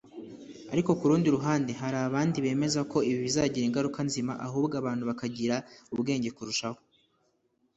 Ariko ku rundi ruhande hari abandi bemeza ko ibi bizagira ingaruka nzima ahubwo abantu bakagira ubwenge kurushaho